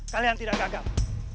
kalian tidak gagal